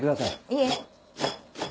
いえ。